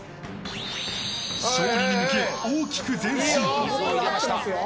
勝利に向け、大きく前進！